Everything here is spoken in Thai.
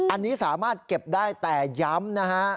อันนี้สามารถเก็บได้แต่ย้ำนะฮะ